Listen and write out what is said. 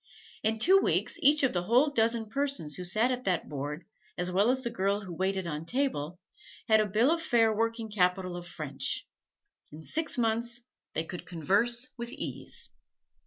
In two weeks each of the whole dozen persons who sat at that board, as well as the girl who waited on table, had a bill of fare working capital of French. In six months they could converse with ease.